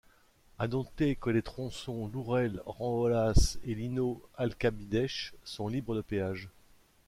À noter que les tronçons Lourel-Ranholas et Linhó-Alcabideche sont libres de péage.